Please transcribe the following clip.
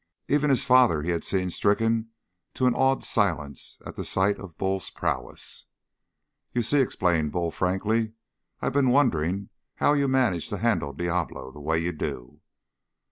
Even his father he had seen stricken to an awed silence at the sight of Bull's prowess. "You see," explained Bull frankly, "I been wondering how you managed to handle Diablo the way you do."